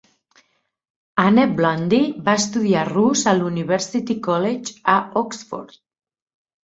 Anna Blundy va estudiar rus a l'University College, a Oxford.